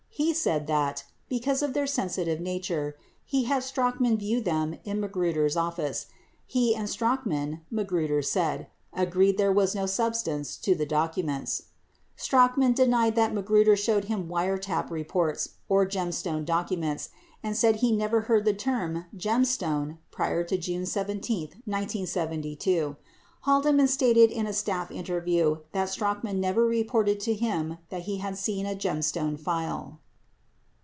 He said that, because of their sensitive nature, he had Strachan view them in Magruder's office. He and Strachan, Magruder said, agreed there was no substance to the docu ments. 54 Strachan denied that Magruder showed him wiretap reports or Gemstone documents and said he never heard the term "Gemstone" prior to June 17, 1972. 55 Haldeman stated in a staff interview that Strachan never reported to him that he had seen a Gemstone file.